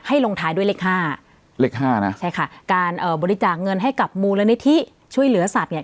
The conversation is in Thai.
ลงท้ายด้วยเลขห้าเลขห้านะใช่ค่ะการเอ่อบริจาคเงินให้กับมูลนิธิช่วยเหลือสัตว์เนี่ย